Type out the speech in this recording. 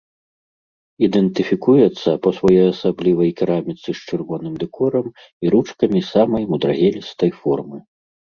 Ідэнтыфікуецца па своеасаблівай кераміцы з чырвоным дэкорам і ручкамі самай мудрагелістай формы.